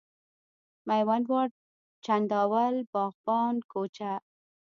میوند واټ، چنداول، باغبان کوچه،